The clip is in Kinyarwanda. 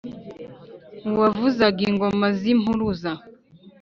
Uwavuzaga ingoma y'Impuruza